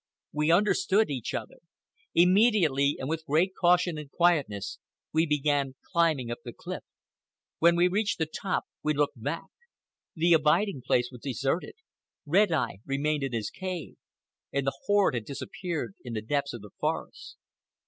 We understood each other. Immediately, and with great caution and quietness, we began climbing up the cliff. When we reached the top we looked back. The abiding place was deserted, Red Eye remained in his cave, and the horde had disappeared in the depths of the forest.